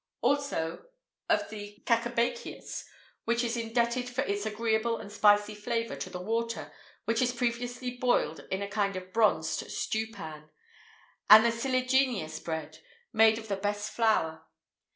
Also of the cacabaceus, which is indebted for its agreeable and spicy flavour to the water, which is previously boiled in a kind of bronzed stewpan; and the siligineus bread, made of the best flour.